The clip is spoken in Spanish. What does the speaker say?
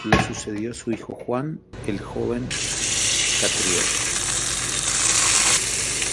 Lo sucedió su hijo Juan "el joven" Catriel.